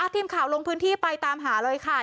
ทีมข่าวลงพื้นที่ไปตามหาเลยค่ะ